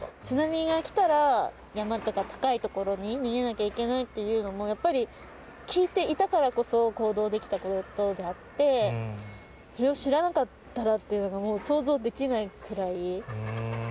津波が来たら、山とか高い所に逃げなきゃいけないっていうのも、やっぱり聞いていたからこそ、行動できたことであって、それを知らなかったらと思うと、想像できないくらい。